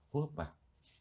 hô hấp vào